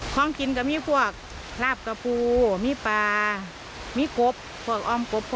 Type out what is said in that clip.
กล้องกินแบบโลกแล้วก็มีพวกหลาบกับปูมีปลามีกลบ